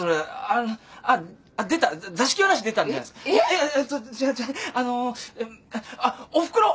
いやえと違う違うあのあっおふくろ